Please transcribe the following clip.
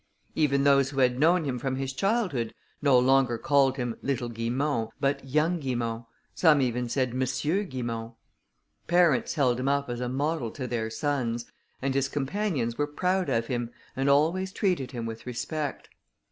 Even those who had known him from his childhood, no longer called him little Guimont, but young Guimont. Some even said M. Guimont. Parents held him up as a model to their sons, and his companions were proud of him, and always treated him with respect.